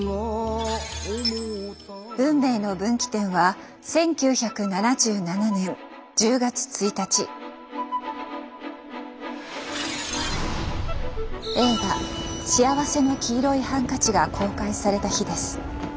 運命の分岐点は映画「幸福の黄色いハンカチ」が公開された日です。